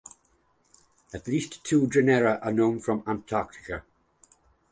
At least two genera are known from Antarctica.